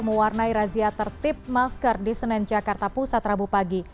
mewarnai razia tertip masker di senenjakarta pusat rabu pagi